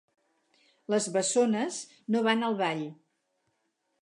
Les bessones no van al ball.